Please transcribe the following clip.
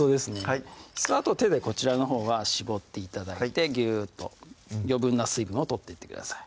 はいあと手でこちらのほうは絞って頂いてギューッと余分な水分を取っていってください